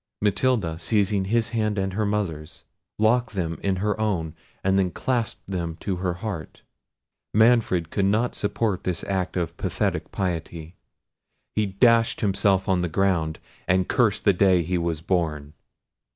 Matilda, seizing his hand and her mother's, locked them in her own, and then clasped them to her heart. Manfred could not support this act of pathetic piety. He dashed himself on the ground, and cursed the day he was born.